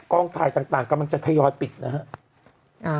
กล้องถ่ายต่างต่างกำลังจะทยายอดปิดนะฮะอ่า